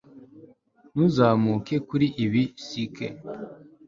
Ntuzamuke kuri ibi CK